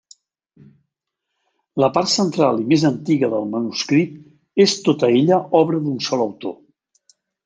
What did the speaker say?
La part central i més antiga del manuscrit és tota ella obra d'un sol autor.